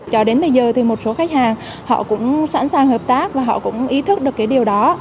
cho đến bây giờ thì một số khách hàng họ cũng sẵn sàng hợp tác và họ cũng ý thức được cái điều đó